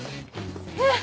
えっ！